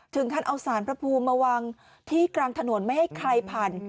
ท่านเอาสารพระภูมิมาวางที่กลางถนนไม่ให้ใครผ่าน